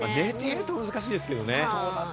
でも寝てると難しいですけどね。